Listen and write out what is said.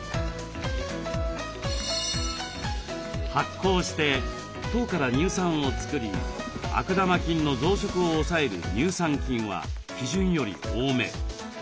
発酵して糖から乳酸を作り悪玉菌の増殖を抑える乳酸菌は基準より多め。